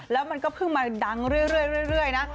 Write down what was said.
แล้วมันก็เพิ่งมาดังเรื่อยนะ